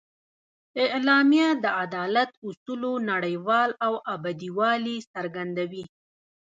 اعلامیه د عدالت اصولو نړیوال او ابدي والي څرګندوي.